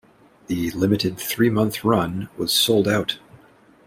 The limited, three-month run was sold out.